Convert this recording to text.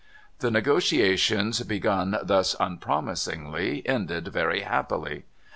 The negotiations begun thus unpromisingly end ed very happily.